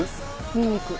ニンニク。